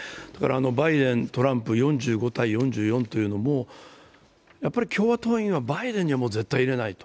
バイデン、トランプ４５対４４というのもやっぱり共和党員はバイデンには絶対入れないと。